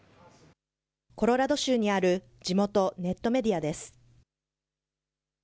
コロラド州にある地元ネットメディアです。